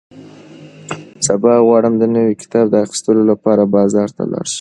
سبا غواړم د نوي کتاب د اخیستلو لپاره بازار ته لاړ شم.